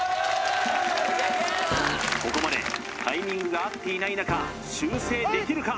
ここまでタイミングが合っていない中修正できるか？